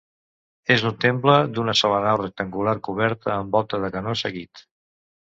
És un temple d'una sola nau rectangular, coberta amb volta de canó seguit.